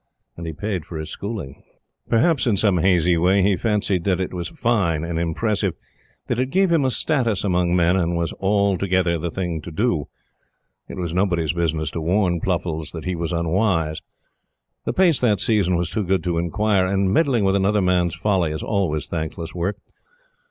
And he paid for his schooling. Perhaps, in some hazy way, he fancied that it was fine and impressive, that it gave him a status among men, and was altogether the thing to do. It was nobody's business to warn Pluffles that he was unwise. The pace that season was too good to inquire; and meddling with another man's folly is always thankless work.